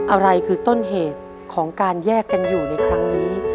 อะไรคือต้นเหตุของการแยกกันอยู่ในครั้งนี้